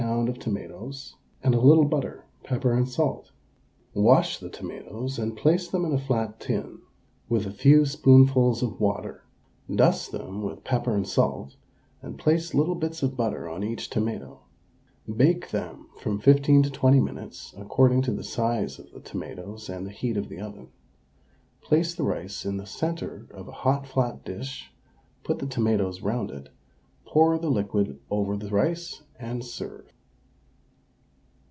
of tomatoes and a little butter, pepper and salt. Wash the tomatoes and place them in a flat tin with a few spoonfuls of water; dust them with pepper and salt, and place little bits of butter on each tomato. Bake them from 15 to 20 minutes, according to the size of the tomatoes and the heat of the oven. Place the rice in the centre of a hot flat dish, put the tomatoes round it, pour the liquid over the rice, and serve.